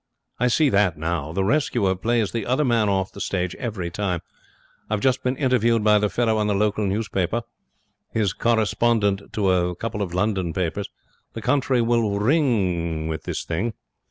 I see that now. The rescuer plays the other man off the stage every time. I've just been interviewed by the fellow on the local newspaper. He's correspondent to a couple of London papers. The country will ring with this thing.